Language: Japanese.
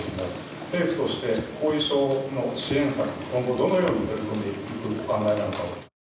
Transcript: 政府として後遺症の支援策、今後どのように取り組んでいくお考えなのか。